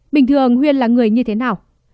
bình thường huyên là người như thế nào